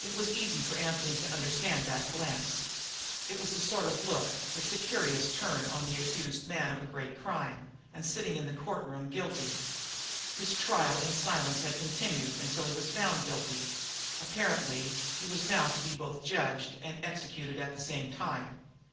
It was easy for Anthony to understand that glance. It is the sort of look which the curious turn on the man accused of a great crime and sitting in the court room guilty. His trial in silence had continued until he was found guilty. Apparently, he was now to be both judged and executed at the same time.